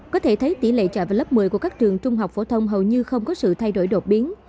có thể thấy tỷ lệ trọi vào lớp một mươi của các trường trung học phổ thông hầu như không có sự thay đổi đột biến